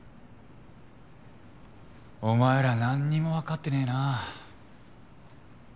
お前ら何にも分かってねえな。